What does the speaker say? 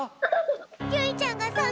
ゆいちゃんがさん